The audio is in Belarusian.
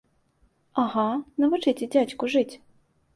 Ага, навучыце дзядзьку жыць!